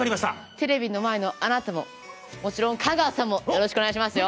テレビの前のあなたも、もちろん香川さんもよろしくお願いしますよ。